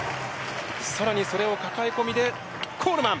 更にそれを抱え込みでコールマン。